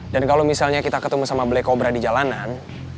dan kalau misalnya kita ketemu sama black cobra di jalanan